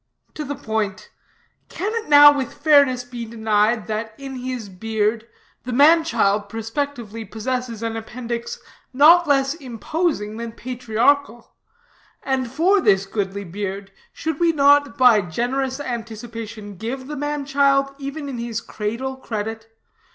To the point. Can it now with fairness be denied that, in his beard, the man child prospectively possesses an appendix, not less imposing than patriarchal; and for this goodly beard, should we not by generous anticipation give the man child, even in his cradle, credit?